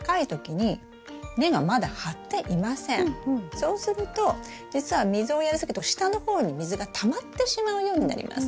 そうするとじつは水をやりすぎると下の方に水がたまってしまうようになります。